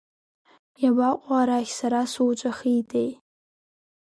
Иабаҟоу арахь сара суҵәахитеи…